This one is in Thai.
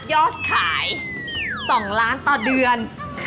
ยอดขาย๒ล้านต่อเดือน